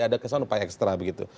ada kesan upaya ekstra